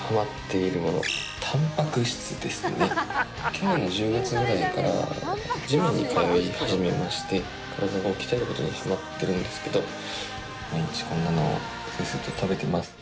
去年の１０月ぐらいからジムに通い始めまして体を鍛えることにハマってるんですけど毎日こんなのをせっせと食べてます。